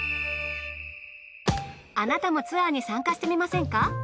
あなたもツアーに参加してみませんか？